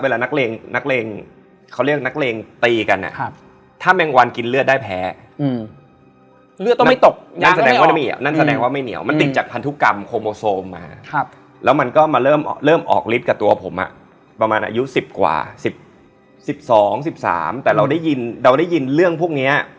ลืมตาคือทั้งห้องเสียงดังเลยนะพี่